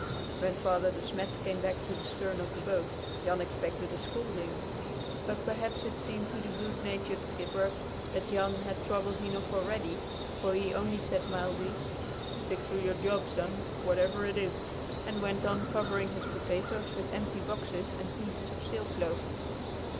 When Father De Smet came back to the stern of the boat, Jan expected a scolding, but perhaps it seemed to the good natured skipper that Jan had troubles enough already, for he only said mildly, "Stick to your job, son, whatever it is," and went on covering his potatoes with empty boxes and pieces of sailcloth.